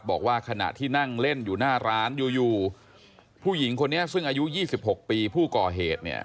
บอกว่าขณะที่นั่งเล่นอยู่หน้าร้านอยู่ผู้หญิงคนนี้ซึ่งอายุ๒๖ปีผู้ก่อเหตุเนี่ย